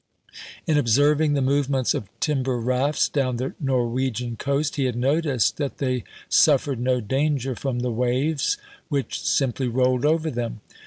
In observing the movements of timber rafts down the Norwegian coast, he had noticed that they suffered no danger from the waves, which simply rolled over them.